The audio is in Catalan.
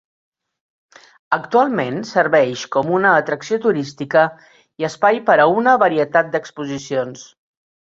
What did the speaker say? Actualment serveix com una atracció turística i espai per a una varietat d'exposicions.